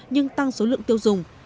nhưng tăng số lượng tiêu dùng